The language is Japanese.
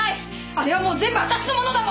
あれはもう全部私のものだもの！